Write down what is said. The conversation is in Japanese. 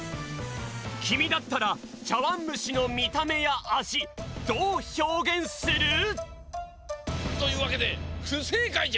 きみだったらちゃわんむしのみためやあじどうひょうげんする？というわけでふせいかいじゃ。